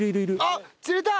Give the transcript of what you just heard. あっ釣れた！